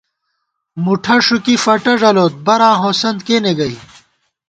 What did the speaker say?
مُٹھہ ݭُوکی فٹہ ݫَلوت، براں ہوسند کېنے گئ